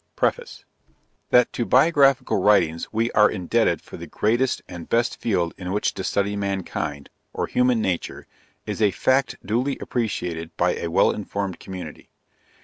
PREFACE. That to biographical writings we are indebted for the greatest and best field in which to study mankind, or human nature, is a fact duly appreciated by a well informed community.